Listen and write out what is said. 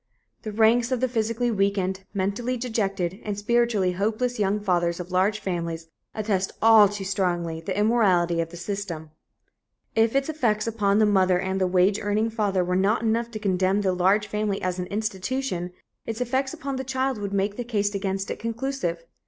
The ranks of the physically weakened, mentally dejected and spiritually hopeless young fathers of large families attest all too strongly the immorality of the system. If its effects upon the mother and the wage earning father were not enough to condemn the large family as an institution, its effects upon the child would make the case against it conclusive.